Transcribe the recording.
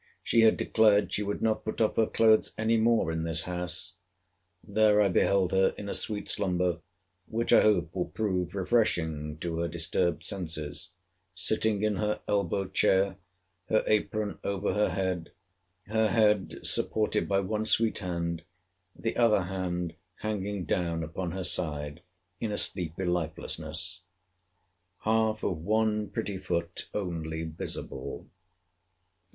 She had declared she would not put off her clothes any more in this house. There I beheld her in a sweet slumber, which I hope will prove refreshing to her disturbed senses; sitting in her elbow chair, her apron over her head; her head supported by one sweet hand, the other hand hanging down upon her side, in a sleepy lifelessness; half of one pretty foot only visible.